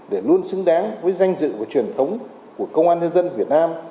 để luôn xứng đáng với danh dự và truyền thống của công an nhân dân việt nam